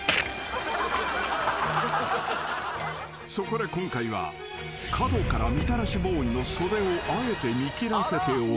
［そこで今回は角からみたらしボーイの袖をあえて見切らせておき